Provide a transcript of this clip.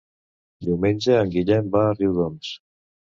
Diumenge en Guillem va a Riudoms.